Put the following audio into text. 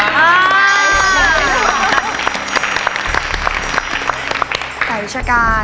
ต่อราชิการ